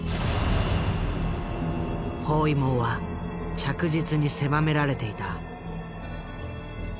包囲網は着実に狭められていた。